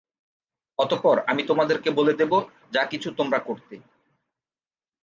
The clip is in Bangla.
অতঃপর আমি তোমাদেরকে বলে দেব যা কিছু তোমরা করতে।